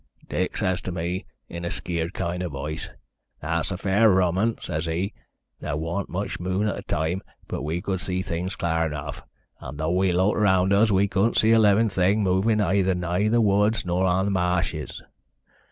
Dick says to me, in a skeered kind of voice, 'That's fair a rum un,' says he. There wornt much mune at th' time, but we could see things clar enough, and thow we looked around us we couldn't see a livin' thing a movin' either nigh th' woods nor on th' ma'shes.